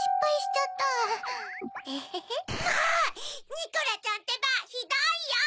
ニコラちゃんってばひどいよ！